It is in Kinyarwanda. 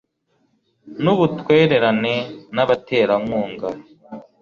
n ubutwererane n abaterankunga